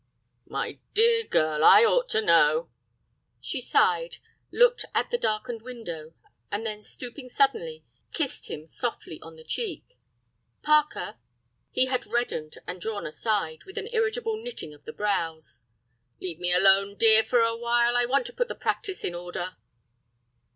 "My dear girl, I ought to know!" She sighed, looked at the darkened window, and then stooping suddenly, kissed him softly on the cheek. "Parker—" He had reddened and drawn aside, with an irritable knitting of the brows. "Leave me alone, dear, for a while. I want to put the practice in order."